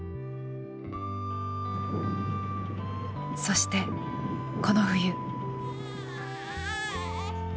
そしてこの冬。